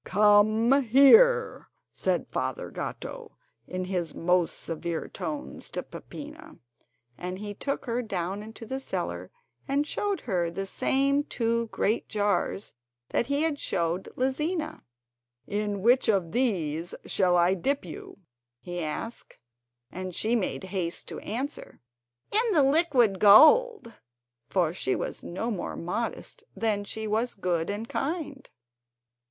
"Come here," said Father Gatto, in his most severe tones to Peppina. And he took her down into the cellar and showed her the same two great jars that he had showed Lizina. "In which of these shall I dip you?" he asked; and she made haste to answer: "In the liquid gold," for she was no more modest than she was good and kind.